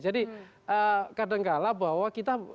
jadi kadangkala bahwa kita